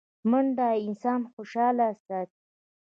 منډه انسان خوشحاله ساتي